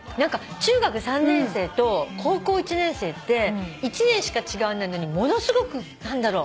中学３年生と高校１年生って１年しか違わないのにものすごく何だろう。